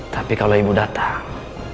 tapi kalau ibu datang